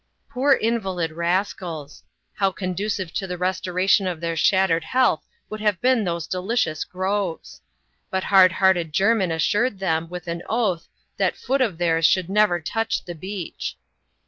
Poor invalid rascals! How conducive to the restoration of their shattered health would have been those delicious groves ! But hard hearted Jermin assured them, with an oath, that foot of theirs should never touch the beach.